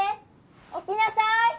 起きなさい！